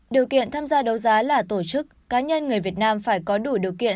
điều kiện tham gia đấu giá là tổ chức cá nhân người việt nam phải có đủ điều kiện